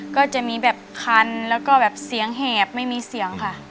ก็จะมีแบบคันแล้วก็แบบเสียงแหบไม่มีเสียงค่ะ